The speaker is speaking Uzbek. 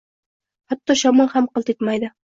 Hatto shamol ham qilt etmaydi.